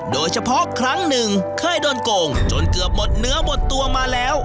โดยเฉพาะครั้งหนึ่งเคยโดนโกงจนเกือบหมดเนื้อหมดตัวมาแล้ว